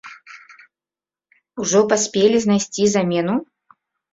Ужо паспелі знайсці замену?